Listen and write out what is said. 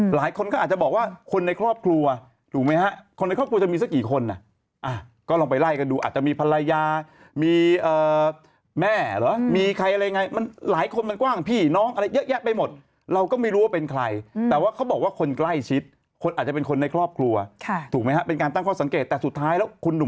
หลายคนก็อาจจะบอกว่าคนในครอบครัวถูกไหมฮะคนในครอบครัวจะมีสักกี่คนอ่ะก็ลองไปไล่กันดูอาจจะมีภรรยามีแม่เหรอมีใครอะไรไงมันหลายคนมันกว้างพี่น้องอะไรเยอะแยะไปหมดเราก็ไม่รู้ว่าเป็นใครแต่ว่าเขาบอกว่าคนใกล้ชิดคนอาจจะเป็นคนในครอบครัวถูกไหมฮะเป็นการตั้งข้อสังเกตแต่สุดท้ายแล้วคุณหนุ่ม